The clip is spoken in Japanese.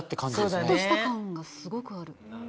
カットした感がすごくある。